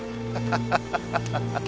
ハハハハ。